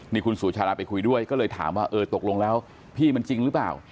นี่คุณสุชาดาไปคุยด้วยก็เลยถามว่าเออตกลงแล้วพี่มันจริงหรือเปล่า